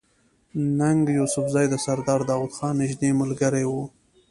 ننګ يوسفزۍ د سردار داود خان نزدې ملګری وو